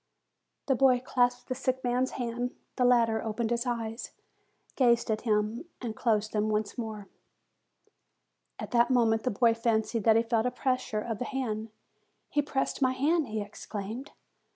The boy clasped the sick man's hand. The latter opened his eyes, gazed at him, and closed them once more. At that moment the lad fancied that he felt a pres sure of the hand. "He pressed my hand!" he ex claimed.